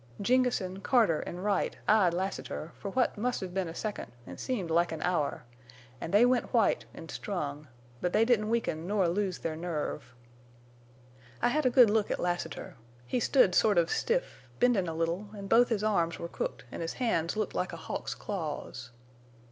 "Jengessen, Carter, an' Wright eyed Lassiter, for what must hev been a second an' seemed like an hour, an' they went white en' strung. But they didn't weaken nor lose their nerve. "I hed a good look at Lassiter. He stood sort of stiff, bendin' a little, an' both his arms were crooked an' his hands looked like a hawk's claws.